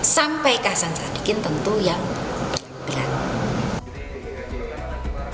sampai ke hasan sadikin tentu yang datang